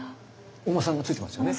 お馬さんがついてますよね？